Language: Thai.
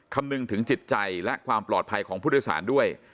คำนึงถึงจิตใจและความปลอดภัยของผู้โดยสารด้วย